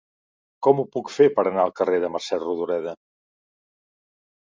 Com ho puc fer per anar al carrer de Mercè Rodoreda?